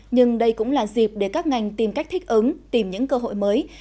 nhưng đây cũng là dịp để các ngành tìm cách thích ứng tìm những cơ hội mới